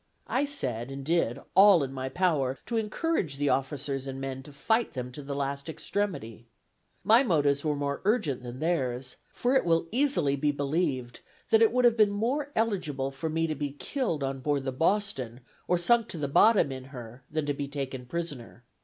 I said, and did all in my power, to encourage the officers and men to fight them to the last extremity. My motives were more urgent than theirs; for it will easily be believed that it would have been more eligible for me to be killed on board the Boston, or sunk to the bottom in her, than to be taken prisoner.